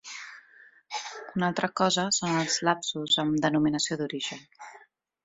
Una altra cosa són els lapsus amb denominació d'origen.